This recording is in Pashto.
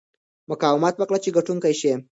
مقاومت وکړه چې ګټونکی شې.